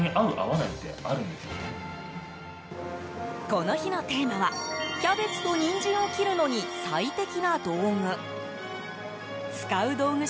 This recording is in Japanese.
この日のテーマはキャベツとニンジンを切るのに最適な道具。